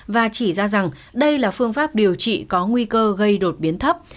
và chỉ ra rằng đây là phương pháp điều trị có nguy cơ gây đột biến thấp